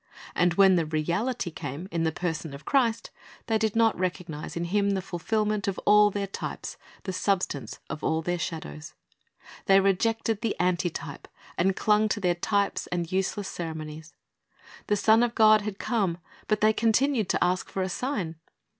And when the Reality came, in the person of Christ, they did not recognize in Him the fulfilment of all their types, the substance of all their shadows. They rejected the antitype, and clung to their types and useless ceremonies. The Son of God had come, but they continued to ask for a sign.